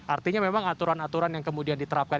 artinya memang aturan aturan yang kemudian diterapkan